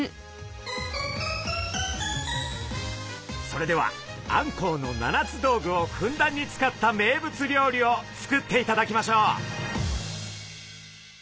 それではあんこうの七つ道具をふんだんに使った名物料理を作っていただきましょう。